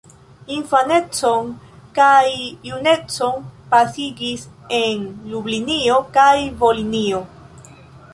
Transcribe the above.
Infanecon kaj junecon pasigis en Lublinio kaj Volinio.